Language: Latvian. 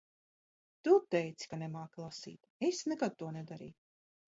Tu teici ka nemāki lasīt. Es nekad to nedarīju.